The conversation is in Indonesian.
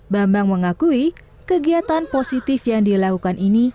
bambang mengakui kegiatan positif yang dilakukan ini